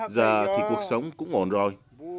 giờ thì cuộc sống cũng ổn rồi